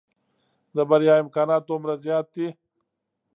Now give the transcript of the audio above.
د بريا امکانات دومره زيات دي.